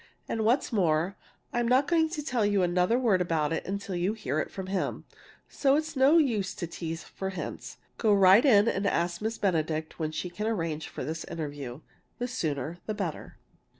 And what's more, I'm not going to tell you another word about it till you hear it from him, so it's no use to tease for hints! Go right in and ask Miss Benedict when she can arrange for this interview the sooner, the better!"